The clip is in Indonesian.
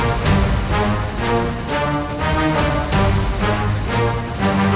aku akan mengunggurkan ibumu sendiri